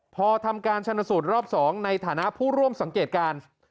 พอทำการชนสูตรรอบ๒ในฐานะผู้ร่วมสังเกตการณ์